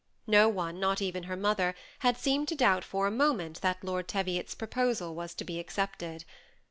No one, not even her mother, had seemed to doubt for a moment that Lord Teviot's proposal was to be accepted.